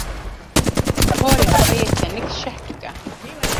Porê xwe yê tenik şeh bike.